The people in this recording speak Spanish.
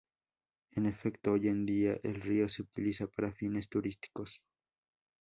En efecto, hoy en día el río se utiliza para fines turísticos.